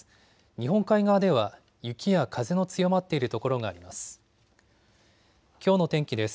日本海側では雪や風の強まっているところがあります。